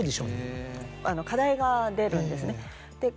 課題が出るんですね。